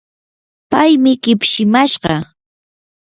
paymi kipshimashqa.